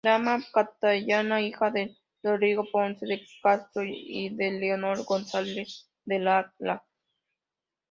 Dama castellana, hija de Rodrigo Ponce de Castro y de Leonor González de Lara.